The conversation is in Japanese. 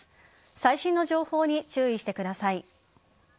最新の情報に注意してください。